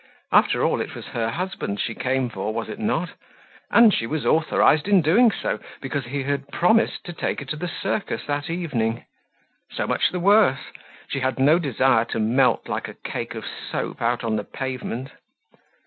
After all it was her husband she came for, was it not? And she was authorized in doing so, because he had promised to take her to the circus that evening. So much the worse! She had no desire to melt like a cake of soap out on the pavement.